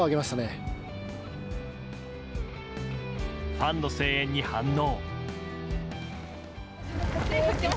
ファンの声援に反応。